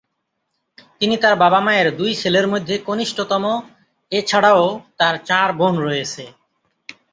তিনি তার বাবা-মায়েরর দুই ছেলের মধ্যে কনিষ্ঠতম, এছাড়াও তার চার বোন রয়েছে।